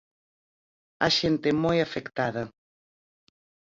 A xente moi afectada.